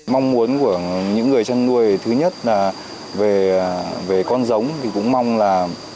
mong muốn của những người chăn nuôi thứ nhất là về con giống thì cũng mong là